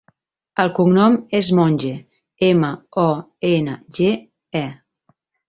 El cognom és Monge: ema, o, ena, ge, e.